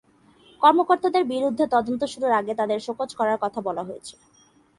কর্মকর্তাদের বিরুদ্ধে তদন্ত শুরুর আগে তাঁদের শোকজ করার কথা বলা হয়েছে।